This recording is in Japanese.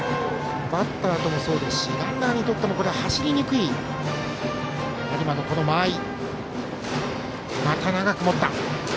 バッターともそうですしランナーとしても走りにくい有馬の間合い。